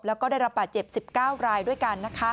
แล้วก็ได้รับป่าเจ็บ๑๙รายด้วยกัน